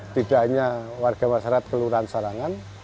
tidak hanya warga masyarakat kelurahan sarangan